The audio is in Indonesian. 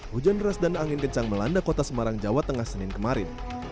hujan deras dan angin kencang melanda kota semarang jawa tengah senin kemarin